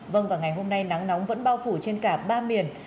vâng và ngày hôm nay nắng nóng vẫn bao phủ trên cả ba miền